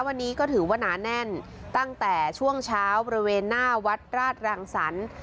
วันนี้ก็ถือว่าหนาแน่นตั้งแต่ช่วงเช้าบริเวณหน้าวัดราชรังสรรค์